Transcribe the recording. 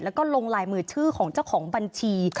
แล้วก็ลงลายมือชื่อของเจ้าของบัญชี